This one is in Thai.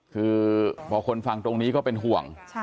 คือพอคนฟังตรงนี้ก็เป็นห่วง